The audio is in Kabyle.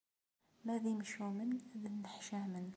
Ma d imcumen ad nneḥcamen.